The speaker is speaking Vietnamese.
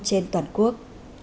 trên toàn quốc